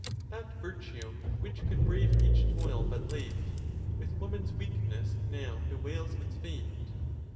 That virtue, which could brave each toil but late, With woman's weakness now. bewails its fate.